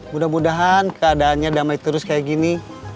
mudah mudahan keadaannya damai terus kayak gini